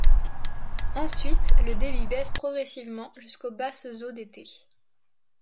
Ensuite, le débit baisse progressivement jusqu'aux basses eaux d'été.